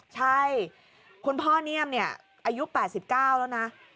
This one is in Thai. ใช่คุณพ่อเนียมเนี่ยอายุ๘๙แล้วนะ